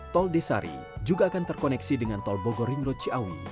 tol desari juga akan terkoneksi dengan tol bogor ring roa ciawi